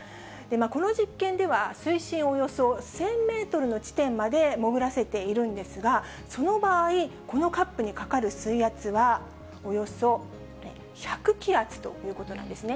この実験では、水深およそ１０００メートルの地点まで潜らせているんですが、その場合、このカップにかかる水圧はおよそ１００気圧ということなんですね。